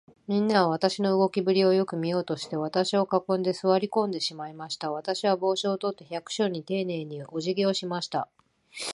みんなは、私の動きぶりをよく見ようとして、私を囲んで、坐り込んでしまいました。私は帽子を取って、百姓にていねいに、おじぎをしました。